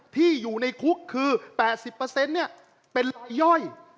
ที่อยู่ในคุกคือ๘๐เปอร์เซ็นต์เนี่ยเป็นลายย่อย